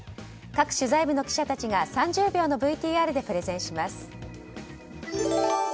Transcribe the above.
各取材部の記者たちが３０秒のＶＴＲでプレゼンします。